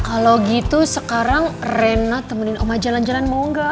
kalau gitu sekarang rena temenin oma jalan jalan mau nggak